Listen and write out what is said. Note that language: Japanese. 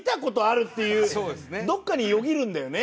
どっかによぎるんだよね。